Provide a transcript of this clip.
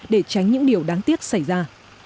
để tránh những điều đáng tiếc xảy ra